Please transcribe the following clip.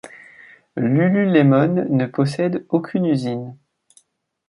Lululemon ne possède aucune usine.